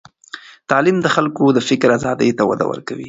تعلیم د خلکو د فکر آزادۍ ته وده ورکوي.